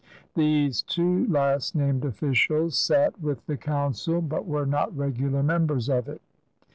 These two last named officials sat with the Council but were not regular members of it.